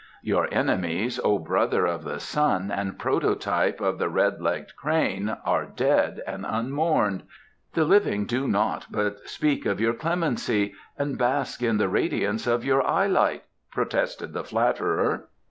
"Your enemies, O Brother of the Sun and Prototype of the Red legged Crane, are dead and unmourned. The living do naught but speak of your clemency and bask in the radiance of your eye light," protested the flatterer.